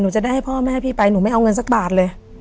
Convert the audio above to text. จะได้ให้พ่อแม่พี่ไปหนูไม่เอาเงินสักบาทเลย